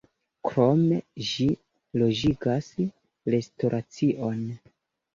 Krome ĝi loĝigas restoracion.